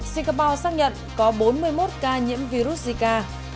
singapore xác nhận có bốn mươi một ca nhiễm virus zika